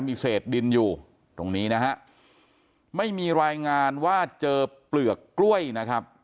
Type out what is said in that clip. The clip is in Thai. มีเศษดินอยู่ตรงนี้นะฮะไม่มีรายงานว่าเจอเปลือกกล้วยนะครับ